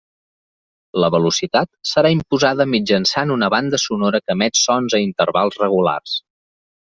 La velocitat serà imposada mitjançant una banda sonora que emet sons a intervals regulars.